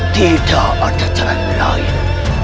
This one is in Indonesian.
tidak ada jalan lain